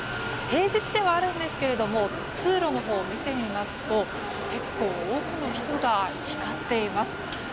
平日ではあるんですが通路のほうを見てみますと結構多くの人が行き交っています。